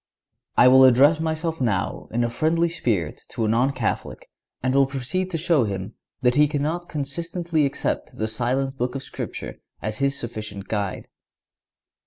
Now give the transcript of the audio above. I will address myself now in a friendly spirit to a non Catholic, and will proceed to show him that he cannot consistently accept the silent Book of Scripture as his sufficient guide.